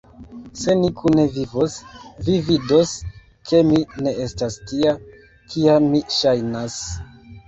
Se ni kune vivos, vi vidos, ke mi ne estas tia, kia mi ŝajnas!